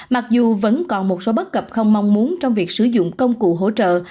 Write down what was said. mặc dù vẫn còn một số bất cập không mong muốn trong việc sử dụng công cụ hỗ trợ